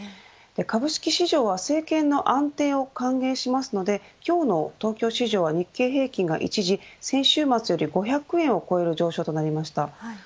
株式市場は政権の安定を歓迎するので今日の東京市場は日経平均が一時、先週末より５００円を超える上昇となりました。